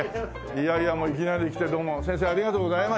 いやいやいきなり来てどうも先生ありがとうございました。